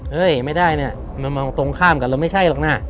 ไม่ได้เนี่ยมามองตรงข้ามกันเราไม่ใช่หรอกนะ